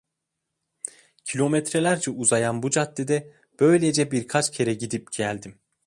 Kilometrelerce uzayan bu caddede böylece birkaç kere gidip geldim.